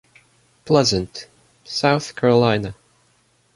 Pleasant, South Carolina.